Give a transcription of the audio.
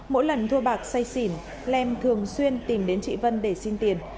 mỗi lần thua bạc say xỉn lem thường xuyên tìm đến chị vân để xin tiền